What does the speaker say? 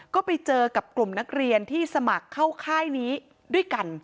ก็ไปเจอกับกลุ่มนักเรียนที่สมัครเข้าค่ายนี้ด้วยกัน